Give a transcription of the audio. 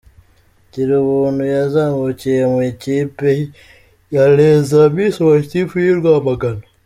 Girubuntu yazamukiye mu ikipe ya Les Amis Sportif y’i Rwamagana.